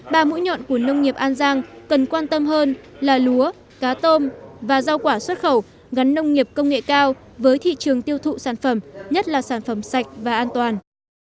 ba mũi nhọn của nông nghiệp an giang cần quan tâm hơn là lúa cá tôm và rau quả xuất khẩu gắn nông nghiệp công nghệ cao với thị trường tiêu thụ sản phẩm nhất là sản phẩm sạch và an toàn